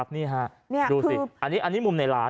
นี่ฮะดูสิอันนี้มุมในร้าน